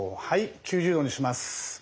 ９０度にします。